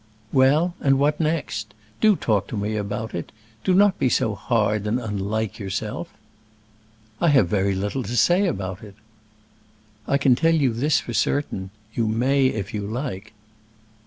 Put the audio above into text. "Well; and what next? Do talk to me about it. Do not be so hard and unlike yourself." "I have very little to say about it." "I can tell you this for certain, you may if you like."